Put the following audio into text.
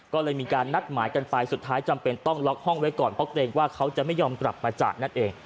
ก็เลยมีการนัดหมายกันไปสุดท้ายจำเป็นต้องล็อกห้องไว้ก่อนเพราะเกรงว่าเขาจะไม่ยอมกลับมาจากนั่นเอง